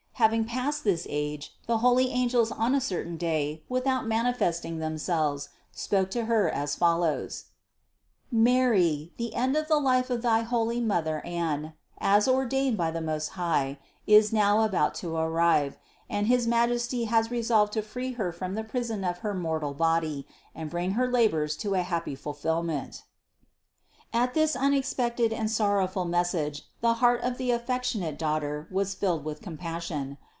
Hav ing passed this age, the holy angels on a certain day, without manifesting themselves, spoke to Her as fol lows : "Mary, the end of the life of thy holy mother Anne as ordained by the Most High, is now about to arrive, and his Majesty has resolved to free her from the prison of her mortal body and bring her labors to a happy ful fillment." 718. At this unexpected and sorrowful message the heart of the affectionate Daughter was filled with com passion.